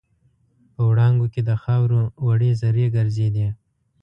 په وړانګو کې د خاوور وړې زرې ګرځېدې.